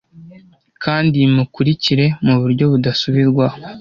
kandi mukurikire muburyo budasubirwaho